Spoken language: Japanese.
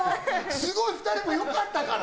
すごい２人もよかったから。